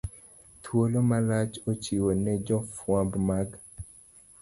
Thuolo malach ochiw ne jofwambo mag